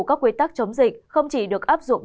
các quy tắc chống dịch không chỉ được áp dụng